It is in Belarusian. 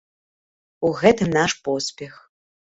У гэтым наш поспех.